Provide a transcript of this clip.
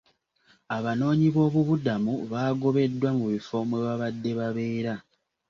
Abanoonyiboobubudamu baagobeddwa mu bifo mwe babadde babeera.